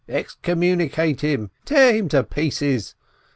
"Excommunicate him!" "Tear him in pieces